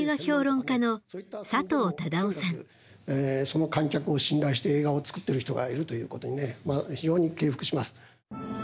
その観客を信頼して映画を作っている人がいるということに非常に敬服します。